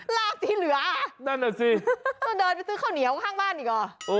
ลากที่เหลือนั่นน่ะสิต้องเดินไปซื้อข้าวเหนียวข้างบ้านอีกหรอ